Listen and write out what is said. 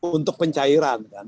untuk pencairan kan